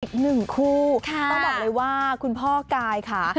อีกหนึ่งคู่ต้องบอกเลยว่าคุณพ่อกายค่ะ